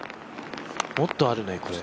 もっとあるね、これ。